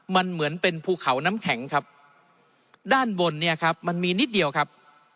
มันเหมือนเป็นภูเขาน้ำแข็งครับด้านบนเนี่ยครับมันมีนิดเดียวครับ